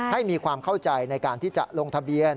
ให้มีความเข้าใจในการที่จะลงทะเบียน